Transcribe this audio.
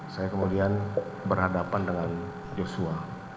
saya kemudian berhadapan dengan joshua